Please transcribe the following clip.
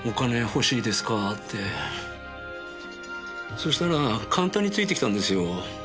そしたら簡単についてきたんですよ。